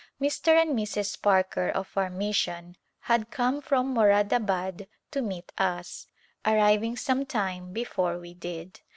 Mr. and Mrs. Parker of our mission had come from Moradabad to meet us, arriving some time before we did.